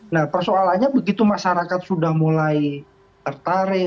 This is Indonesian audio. nah persoalannya begitu masyarakat sudah mulai tertarik